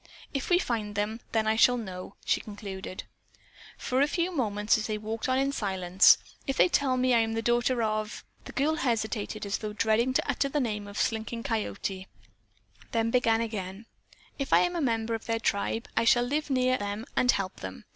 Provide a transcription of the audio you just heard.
"If we find them, then I shall know," she concluded. For a few moments they walked on in silence. "If they tell me I am the daughter of " The girl hesitated as though dreading to utter the name of Slinking Coyote, then began again, "If I am a member of their tribe, I shall live near them and help them.